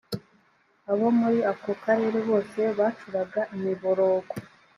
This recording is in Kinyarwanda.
abo muri ako karere bose bacuraga imiborogo